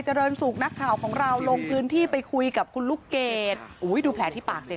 เรินสุขนักข่าวของเราลงพื้นที่ไปคุยกับคุณลูกเกดอุ้ยดูแผลที่ปากสิ